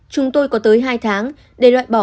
chúng tôi có tới hai tháng để loại bỏ